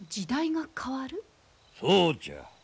そうじゃ。